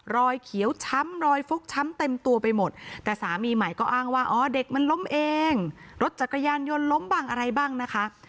รอยเขียวช้ำรอยฟกช้ำเต็มตัวไปหมดแต่สามีใหม่ก็อ้างว่าอ๋อเด็กมันล้มเองรถจักรยานยนต์ล้มบ้างอะไรบ้างนะคะ